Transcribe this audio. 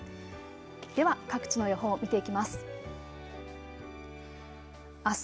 では各地の予報を見ていきます。